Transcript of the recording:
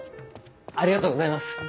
ありがとうございます。